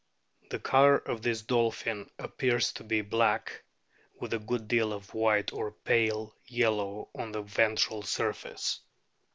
The colour of this dolphin appears to be black with a good deal of white or pale yellow on the ventral surface.